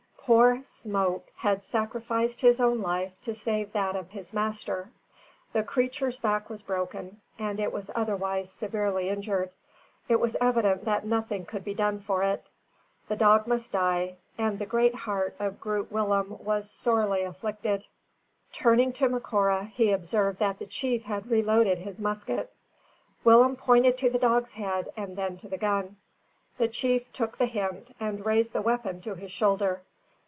Poor Smoke had sacrificed his own life to save that of his master. The creature's back was broken, and it was otherwise severely injured. It was evident that nothing could be done for it. The dog must die, and the great heart of Groot Willem was sorely afflicted. Turning to Macora, he observed that the chief had reloaded his musket. Willem pointed to the dog's head and then to the gun. The chief took the hint and raised the weapon to his shoulder.